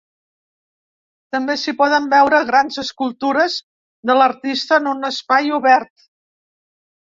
També s’hi poden veure grans escultures de l’artista en un espai obert.